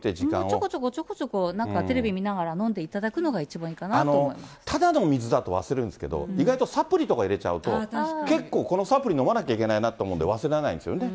ちょこちょこちょこちょこ、なんかテレビ見ながら飲んでいたただのお水だと忘れるんですけど、意外とサプリとか入れちゃうと、結構このサプリ飲まなきゃいけないなって思うんで忘れないんですよね。